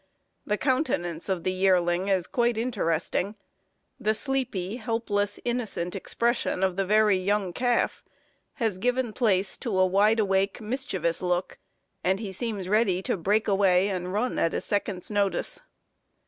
The countenance of the yearling is quite interesting. The sleepy, helpless, innocent expression of the very young calf has given place to a wide awake, mischievous look, and he seems ready to break away and run at a second's notice.